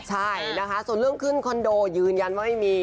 ใช่นะคะส่วนเรื่องขึ้นคอนโดยืนยันว่าไม่มี